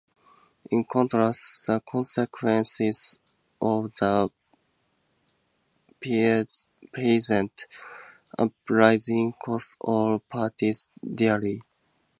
In contrast, the consequences of the peasant uprising cost all parties dearly.